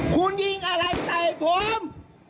คุณยิงอะไรใส่ผม